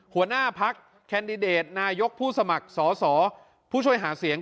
หัวหน้าพักแคนดิเดตนายกผู้สมัครสอสอผู้ช่วยหาเสียง